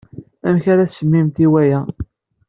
Amek ara as-tsemmimt i waya?